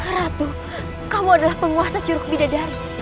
ratu kamu adalah penguasa curug bidadari